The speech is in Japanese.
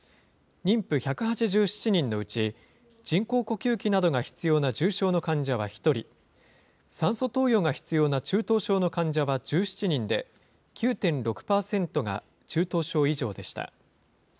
妊婦１８７人のうち、人工呼吸器などが必要な重症の患者は１人、酸素投与が必要な中等症の患者は１７人で、９．６％が中等症以上でした。